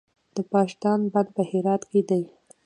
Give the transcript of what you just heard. د پاشدان بند په هرات کې دی